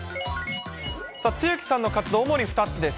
露木さんの活動、主に２つです。